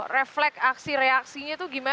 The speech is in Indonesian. refleks aksi reaksinya itu gimana